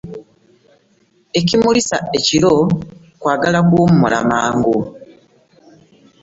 Ekimulisa ekiro kwagala kuwummula mangu.